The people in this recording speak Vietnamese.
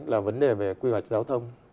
là vấn đề về quy hoạch giao thông